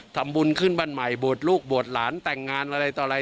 ทำบุญขึ้นบ้านใหม่บวชลูกบวชหลานแต่งงานอะไรต่ออะไร